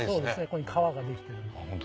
ここに皮ができてる。